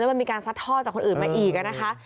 มันมีการซัดท่อจากคนอื่นมาอีกนะคะ